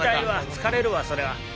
疲れるわそれは。